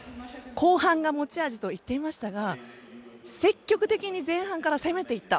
後半が持ち味と言っていましたが積極的に前半から攻めていった。